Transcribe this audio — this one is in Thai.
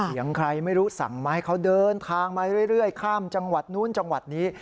เสียงใครไม่รู้สั่งมาให้เขาเดินทางมาเรื่อยข้ามจังหวัดนู้นจังหวัดนี้